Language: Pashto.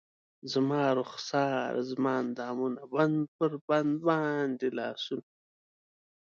زما رخسار زما اندامونه بند پر بند باندې لاسونه